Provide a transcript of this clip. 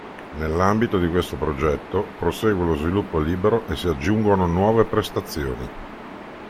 Nell'ambito di questo progetto, prosegue lo sviluppo libero e si aggiungono nuove prestazioni.